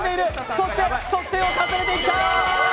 そして得点を重ねてきた。